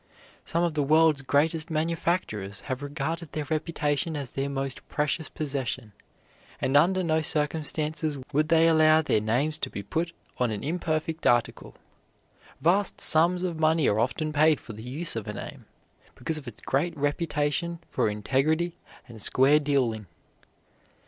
Some of the world's greatest manufacturers have regarded their reputation as their most precious possession, and under no circumstances would they allow their names to be put on an imperfect article. Vast sums of money are often paid for the use of a name, because of its great reputation for integrity and square dealing.